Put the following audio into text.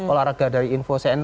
olahraga dari info cn